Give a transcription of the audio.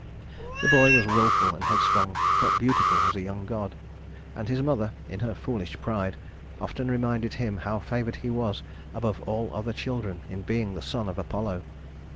The boy was willful and headstrong, but beautiful as a young god; and his mother, in her foolish pride, often reminded him how favored he was above all other children in being the son of Apollo.